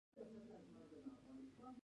آیا د ایران اقتصاد په تیلو تکیه نلري؟